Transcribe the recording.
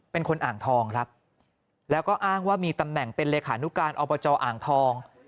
เป็นคนอ่างทองครับแล้วก็อ้างว่ามีตำแหน่งเป็นเลขานุการอบจอ่างทอง